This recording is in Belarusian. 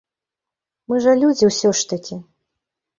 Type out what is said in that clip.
Мы жа людзі ўсё ж такі!